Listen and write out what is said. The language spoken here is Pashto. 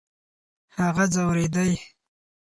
هغه ځورېدی .